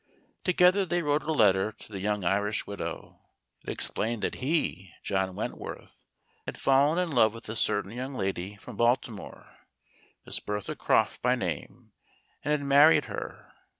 Together they wrote a letter to the young Irish widow. It explained that he, John Wentworth, had fallen in love with a certain young lady from Balti¬ more, Miss Bertha Kroff by name, and had married her.